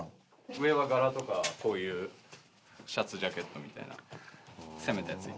上は柄とかこういうシャツジャケットみたいな攻めたやついっても。